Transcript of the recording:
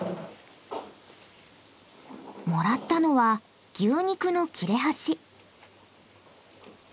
もらったのは牛肉の切れ端。